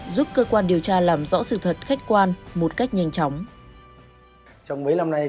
giúp cơ quan điều tra làm rõ sự thật khách quan một cách nhanh chóng